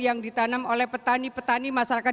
yang ditanam oleh petani petani masyarakat